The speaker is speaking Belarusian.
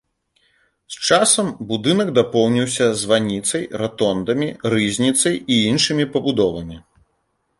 З часам будынак дапоўніўся званіцай, ратондамі, рызніцай і іншымі пабудовамі.